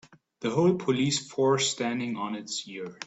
The whole police force standing on it's ear.